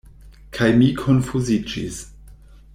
Kaj mi konfuziĝis.